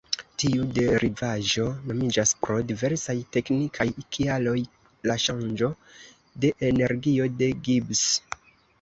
Tiu derivaĵo nomiĝas, pro diversaj teknikaj kialoj, la ŝanĝo de energio de Gibbs.